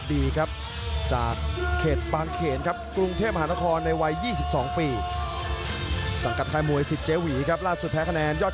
ดีตลอดนะทุ่ม่อนเชียงแฮ้อ